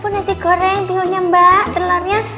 nasi goreng tiunya mbak telurnya